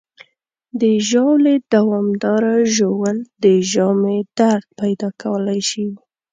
د ژاولې دوامداره ژوول د ژامې درد پیدا کولی شي.